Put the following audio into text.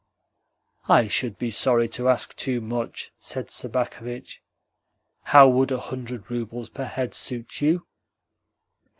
"I should be sorry to ask too much," said Sobakevitch. "How would a hundred roubles per head suit you?"